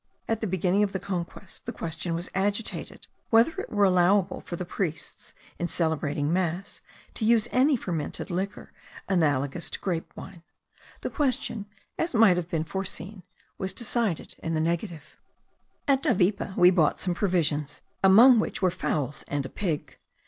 At the beginning of the conquest, the question was agitated, whether it were allowable for the priests, in celebrating mass, to use any fermented liquor analogous to grape wine. The question, as might have been foreseen, was decided in the negative. At Davipe we bought some provisions, among which were fowls and a pig.